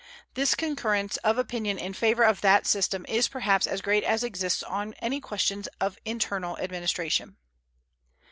This concurrence of opinion in favor of that system is perhaps as great as exists on any question of internal administration.